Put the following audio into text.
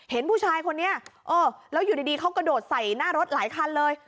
เห็นผู้ชายคนนี้เออแล้วอยู่ดีเขากระโดดใส่หน้ารถหลายคันเลย